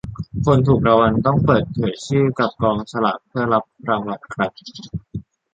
คนถูกรางวัลต้องเปิดเผยชื่อกับกองสลากเพื่อรับรางวัลครับ.